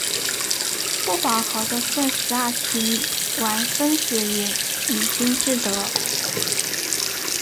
不饱和的正十二面体烷分子也已经制得。